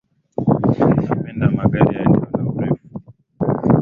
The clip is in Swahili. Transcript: Napenda magari yaliyo na urefu.